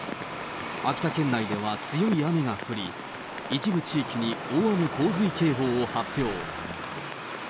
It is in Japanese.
秋田県内では強い雨が降り、一部地域に大雨洪水警報を発表。